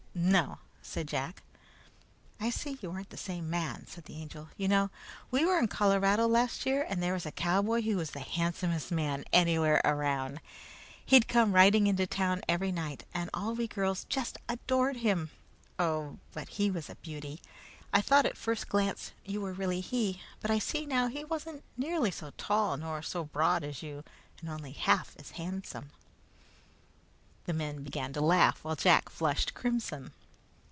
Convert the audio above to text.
"No," said Jack. "I see you aren't the same man," said the Angel. "You know, we were in Colorado last year, and there was a cowboy who was the handsomest man anywhere around. He'd come riding into town every night, and all we girls just adored him! Oh, but he was a beauty! I thought at first glance you were really he, but I see now he wasn't nearly so tall nor so broad as you, and only half as handsome." The men began to laugh while Jack flushed crimson.